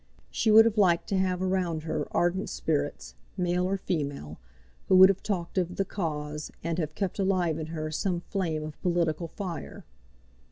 She would have liked to have around her ardent spirits, male or female, who would have talked of "the cause," and have kept alive in her some flame of political fire.